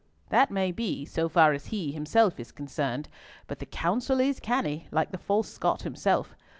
"That may be, so far as he himself is concerned, but the counsel is canny, like the false Scot himself.